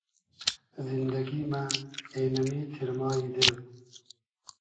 زیندئگی مۂ اېنۂ می تیرمای دیل